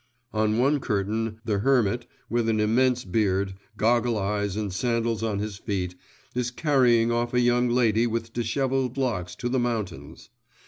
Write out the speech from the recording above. On one curtain the hermit, with an immense beard, goggle eyes, and sandals on his feet, is carrying off a young lady with dishevelled locks to the mountains.